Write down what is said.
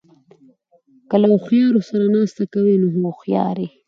که له هوښیارو سره ناسته کوئ؛ نو هوښیار يې.